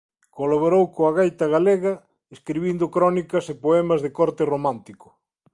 Colaborou con "A Gaita Galega" escribindo crónicas e poemas de corte romántico.